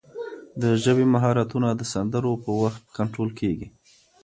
د ژبې مهارتونه د سندرو په وخت کنټرول کېږي.